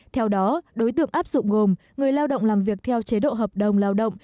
theo đó đối tượng áp dụng gồm người lao động làm việc theo chế độ hợp đồng lao động